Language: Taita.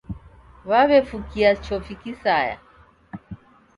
W'aw'efukia chofi kisaya